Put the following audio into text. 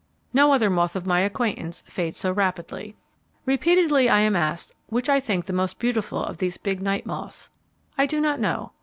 No other moth of my acquaintance fades so rapidly. Repeatedly I am asked which I think the most beautiful of these big night moths. I do not know.